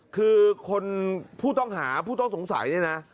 คือคนผู้ต้องหาผู้ต้องสงสัยเนี่ยนะ